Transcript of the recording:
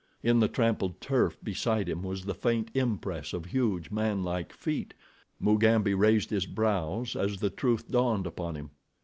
In the trampled turf beside him was the faint impress of huge, manlike feet. Mugambi raised his brows as the truth dawned upon him.